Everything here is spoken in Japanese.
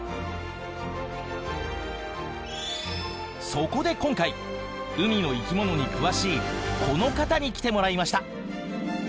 そこで今回海の生き物に詳しいこの方に来てもらいました。